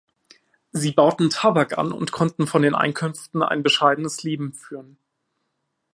Sie bauten Tabak an und konnten von den Einkünften ein bescheidenes Leben führen.